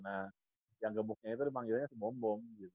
nah yang gemuknya itu dipanggilnya se bom bom gitu